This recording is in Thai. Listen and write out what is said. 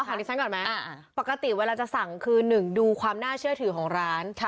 ของดิฉันก่อนไหมปกติเวลาจะสั่งคือ๑ดูความน่าเชื่อถือของร้าน